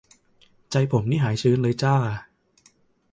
ใจผมนี้หายชื้นเลยจร้า